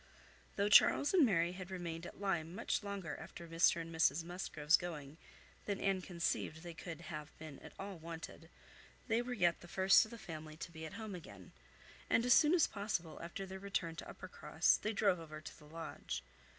Though Charles and Mary had remained at Lyme much longer after Mr and Mrs Musgrove's going than Anne conceived they could have been at all wanted, they were yet the first of the family to be at home again; and as soon as possible after their return to Uppercross they drove over to the Lodge.